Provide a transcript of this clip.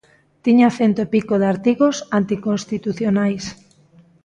Tiña cento e pico de artigos anticonstitucionais.